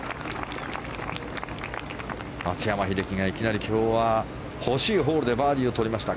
松山英樹がいきなり今日は、欲しいホールでバーディーをとりました。